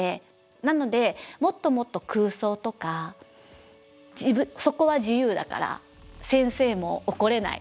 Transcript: なのでもっともっと空想とかそこは自由だから先生も怒れない。